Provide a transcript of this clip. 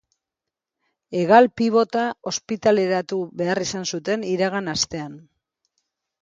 Hegal-pibota ospitaleratu behar izan zuten iragan astean.